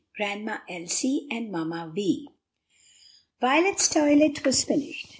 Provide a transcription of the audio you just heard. GRANDMA ELSIE AND MAMMA VI. Violet's toilet was finished.